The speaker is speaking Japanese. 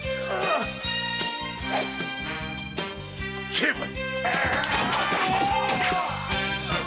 成敗！